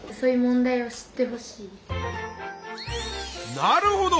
なるほど！